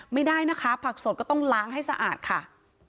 ไม่ได้นะคะผักสดก็ต้องล้างให้สะอาดค่ะ